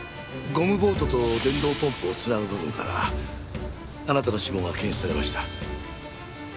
ゴムボートと電動ポンプを繋ぐ部分からあなたの指紋が検出されました。